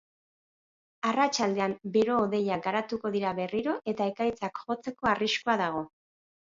Arratsaldean bero-hodeiak garatuko dira berriro eta ekaitzak jotzeko arriskua dago.